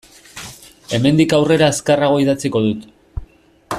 Hemendik aurrera azkarrago idatziko dut.